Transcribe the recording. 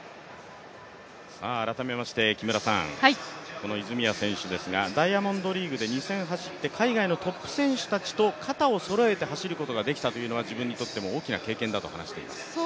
改めましてこの泉谷選手ですが、ダイヤモンドリーグで２戦走って海外のトップ選手たちと肩を並べて走れたことは自分にとっても大きな経験だと話しています。